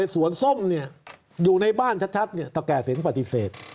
สวนส้มเนี่ยอยู่ในบ้านชัดเนี่ยตะแก่เสียงปฏิเสธ